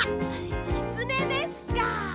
きつねですか。